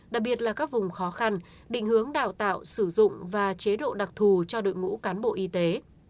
đặc biệt là các vùng khó khăn định hướng đào tạo sử dụng và chế độ đặc thù cho đội ngũ cán bộ y tế